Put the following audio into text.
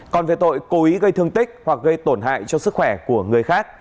còn về tội cố ý gây thương tích hoặc gây tổn hại cho sức khỏe của người khác